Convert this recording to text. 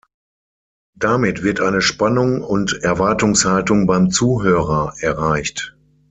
Damit wird eine Spannung und Erwartungshaltung beim Zuhörer erreicht.